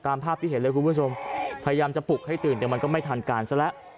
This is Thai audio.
ภาพที่เห็นเลยคุณผู้ชมพยายามจะปลุกให้ตื่นแต่มันก็ไม่ทันการซะแล้ว